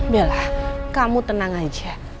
bella kamu tenang aja